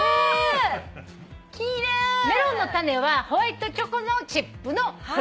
メロンの種はホワイトチョコのチップのフレークです。